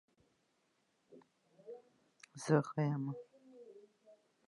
ایمي ویلي، "زه د کښتۍ په څېر بې ثباته احساس کوم."